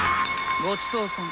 ごちそうさま。